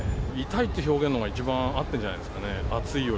痛いって表現のほうが一番合ってるんじゃないですかね。